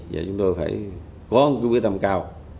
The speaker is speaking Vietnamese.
và chúng tôi phải có một quy tâm cao